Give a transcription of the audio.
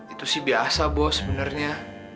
itu sih biasa bos sebenarnya